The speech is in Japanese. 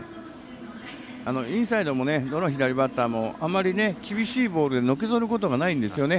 インサイドもどの左バッターもあまり、厳しいボールのけぞることがないんですよね。